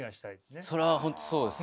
それは本当そうですね。